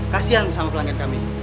kasian sama pelanggan kami